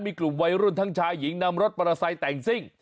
มีกลุ่มวัยรุ่นทั้งชายหญิงนำรถมอเตอร์ไซค์แต่งซิ่ง